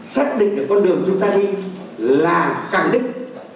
xác định được con đường chúng ta đi là cản đức